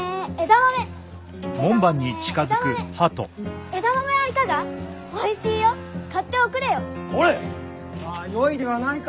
まあよいではないか。